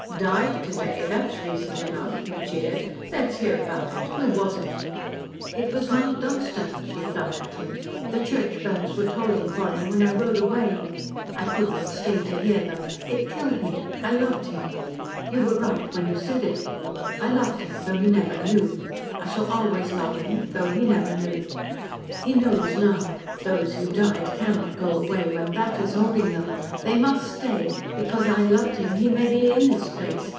"Died to day! That's recent enough," he jeered. "Let us hear about it. Who was it?" "It was Mount Dunstan," she flung at him. "The church bells were tolling for him when I rode away. I could not stay to hear them. It killed me I loved him. You were right when you said it. I loved him, though he never knew. I shall always love him though he never knew. He knows now. Those who died cannot go away when THAT is holding them. They must stay. Because I loved him, he may be in this place.